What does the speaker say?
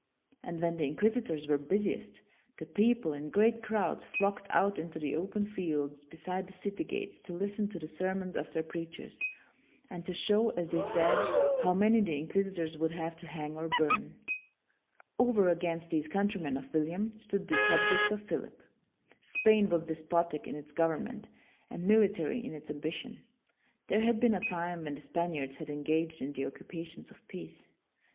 And when the inquisitors were busiest, the people, in great crowds, flocked out into the open fields beside the city gates to listen to the sermons of their preachers, and to show, as they said, how many the inquisitors would have to hang or burn. Over against these countrymen of William stood the subjects of Philip. Spain was despotic in its government and WILLIAM THE SILENT 179 military in its ambition. There had been a time when the Spaniards had engaged in the occupations of peace.